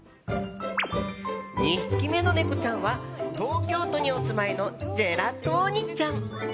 ２匹目のネコちゃんは東京都にお住まいのジェラトーニちゃん。